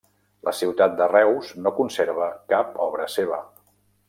La ciutat de Reus no conserva cap obra seva.